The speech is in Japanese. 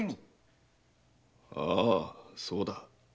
ああそうだ。